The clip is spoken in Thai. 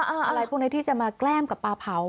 อะไรพวกนี้ที่จะมาแกล้มกับปลาเผา